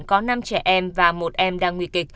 có năm trẻ em và một em đang nguy kịch